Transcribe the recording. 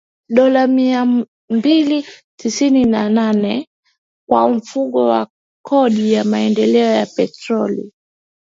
(dola milioni mia mbili tisini na nane) kwa Mfuko wa Kodi ya Maendeleo ya Petroli